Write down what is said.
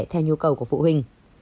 theo nhu cầu của phụ huynh